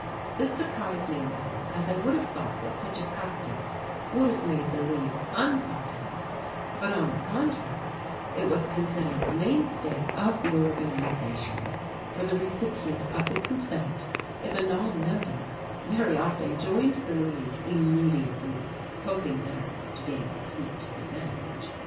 This surprised me a little as I would have thought that such a practice would have made the League unpopular, but on the contrary, it was considered the mainstay of the organization, for the recipient of the complaint, if a non member, very often joined the League immediately, hoping thereby to gain sweet revenge.